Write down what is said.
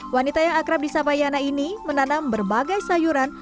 wanita yang akrab di sabayana ini menanam berbagai sayuran